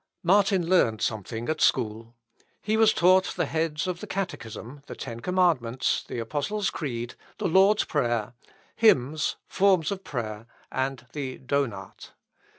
Martin learned something at school. He was taught the heads of the Catechism, the Ten Commandments, the Apostles' Creed, the Lord's Prayer, hymns, forms of prayer, and the Donat.